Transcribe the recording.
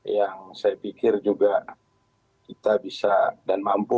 yang saya pikir juga kita bisa dan mampu